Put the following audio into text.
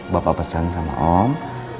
bapak pesan sama om